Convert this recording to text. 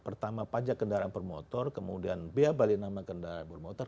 pertama pajak kendaraan per motor kemudian biar balik nama kendaraan per motor